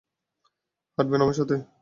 হাঁটবেন আমার সাথে?